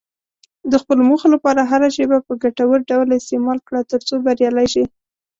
د خپلو موخو لپاره هره شېبه په ګټور ډول استعمال کړه، ترڅو بریالی شې.